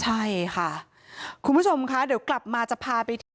ใช่ค่ะคุณผู้ชมคะเดี๋ยวกลับมาจะพาไปที่